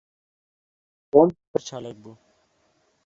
Tom pir çalak bû.